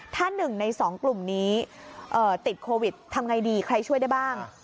ถ้าหนึ่งในสองกลุ่มนี้ติดโควิดทำอย่างไรดีใครช่วยได้บ้าง